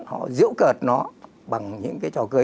họ diễu cợt nó bằng những cái trò cười